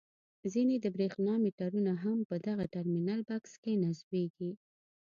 ځینې د برېښنا میټرونه هم په دغه ټرمینل بکس کې نصبیږي.